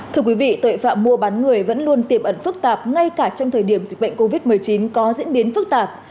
thưa quý vị tội phạm mua bán người vẫn luôn tiềm ẩn phức tạp ngay cả trong thời điểm dịch bệnh covid một mươi chín có diễn biến phức tạp